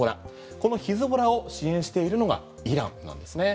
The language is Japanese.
このヒズボラを支援しているのがイランなんですね。